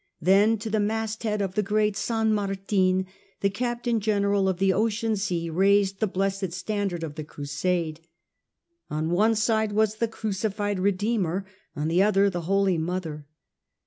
Then to the masthead of the great 5a% Martin the Captain General of the Ocean Sea raised the blessed standard of the Crusade. On one side was the crucified Eedeemer, on the other the Holy Mother.